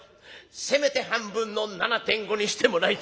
せめて半分の７．５にしてもらいたい」。